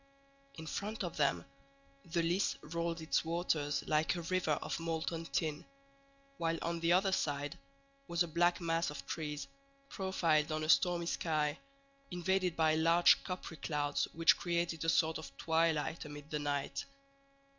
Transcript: In front of them the Lys rolled its waters like a river of molten tin; while on the other side was a black mass of trees, profiled on a stormy sky, invaded by large coppery clouds which created a sort of twilight amid the night.